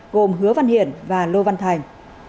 gồm hứa văn hiển và lô văn thành